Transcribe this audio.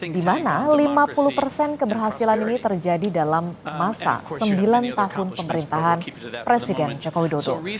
di mana lima puluh persen keberhasilan ini terjadi dalam masa sembilan tahun pemerintahan presiden joko widodo